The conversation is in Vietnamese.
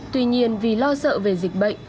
tuy nhiên vì lo sợ về dịch bệnh